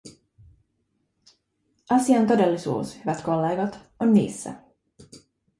Asian todellisuus, hyvät kollegat, on niissä.